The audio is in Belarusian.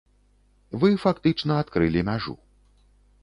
Вы фактычна адкрылі мяжу.